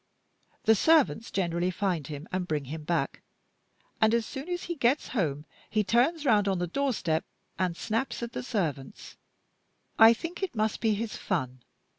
The servants generally find him and bring him back; and as soon as he gets home he turns round on the doorstep and snaps at the servants. I think it must be his fun.